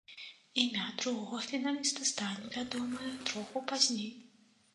Імя другога фіналіста стане вядомае троху пазней.